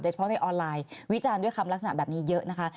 เฉพาะในออนไลน์วิจารณ์ด้วยคำลักษณะแบบนี้เยอะนะคะ